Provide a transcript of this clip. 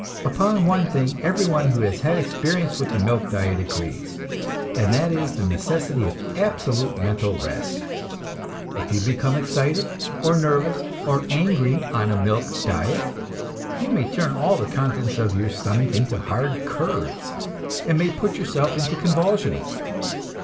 Upon one thing everyone who has had experience with the milk diet agrees, and that is the necessity of absolute mental rest. If you become excited, or nervous, or angry on a milk diet, you may turn all the contents of your stomach into hard curds, and may put yourself into convulsions.